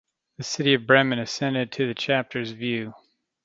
The city of Bremen assented to the Chapter's view.